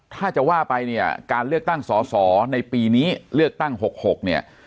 ถ้าจะว่าไปเนี่ยการเลือกตั้งสอสอในปีนี้เลือกตั้ง๖๖เนี่ย